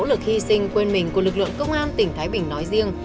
nỗ lực hy sinh quên mình của lực lượng công an tỉnh thái bình nói riêng